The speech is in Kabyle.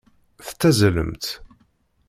Tettazalemt.